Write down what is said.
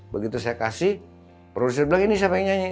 begitu saya kasih produser bilang ini siapa yang nyanyi